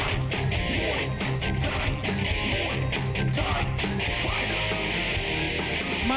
พันธุ์เอกพิเศษสักดาเพชรจินดาบอกว่า